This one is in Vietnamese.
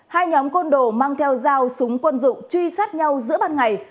hai nhóm côn đồ mang theo dao súng quân dụng truy sát nhau giữa ban ngày